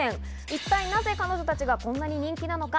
一体、なぜ彼女たちがこんなに人気なのか。